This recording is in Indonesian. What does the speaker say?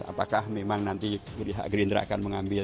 apakah memang nanti gerindra akan mengambil